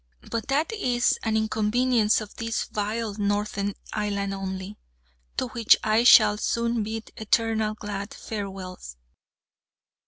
But that is an inconvenience of this vile northern island only, to which I shall soon bid eternal glad farewells.